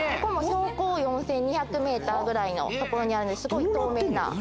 標高４２００ｍぐらいの所にあるすごい透明な。